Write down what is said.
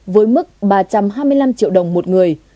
với mức ba trăm hai mươi năm triệu đồng một người